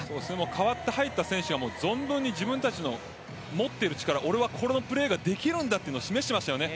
代わって入った選手が存分に自分たちの持っている力俺はこのプレーをできるんだというのも示していました。